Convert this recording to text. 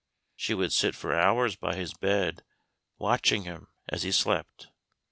She would sit for hours by his bed watching him as he slept.